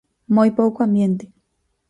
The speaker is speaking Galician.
Moi pouco ambiente.